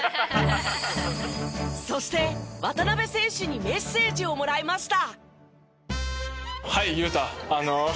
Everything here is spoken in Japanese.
そして渡邊選手にメッセージをもらいました。